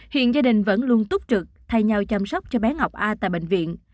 hiện gia đình vẫn luôn túc trực thay nhau chăm sóc cho bé ngọc a tại bệnh viện